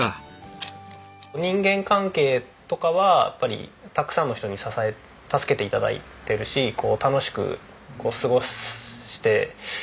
人間関係とかはやっぱりたくさんの人に支え助けて頂いてるし楽しく過ごしているので。